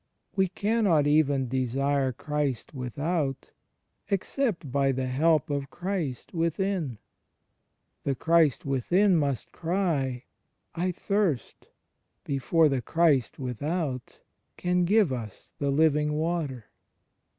We cannot even desire Christ without, except by the help of Christ within. The Christ within must cry "I thirst,'' ^ before the Christ without can give us the Living Water.